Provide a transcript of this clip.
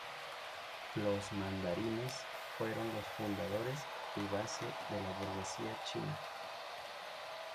Los mandarines fueron los fundadores y base de la burguesía china.